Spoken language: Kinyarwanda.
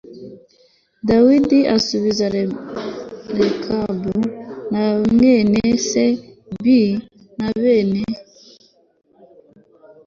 Dawidi asubiza Rekabu na mwene se B na bene